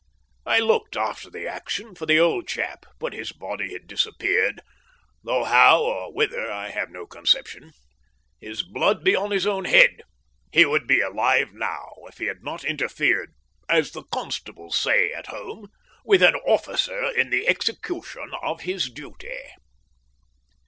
I looked, after the action, for the old chap, but his body had disappeared, though how or whither I have no conception. His blood be upon his own head! He would be alive now if he had not interfered, as the constables say at home, "with an officer in the execution of his duty."